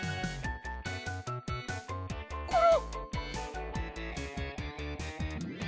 コロ！